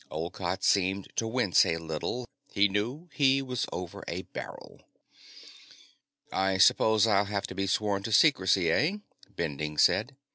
Olcott seemed to wince a little. He knew he was over a barrel. "I suppose I'll have to be sworn to secrecy, eh?" Bending asked.